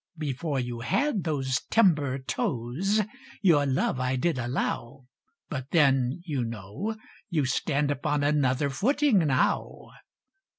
"Before you had those timber toes, Your love I did allow, But then, you know, you stand upon Another footing now!"